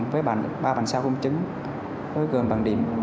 với ba bản sao công chứng hơi gần bằng điểm